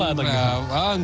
belum sempat makan